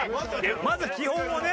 まず基本はね。